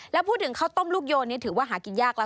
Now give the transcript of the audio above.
แล้วพูดถึงข้าวต้มลูกโยนนี้ถือว่าหากินยากแล้ว